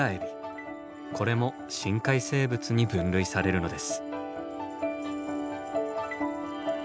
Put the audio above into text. これも深海生物に分類されるのです。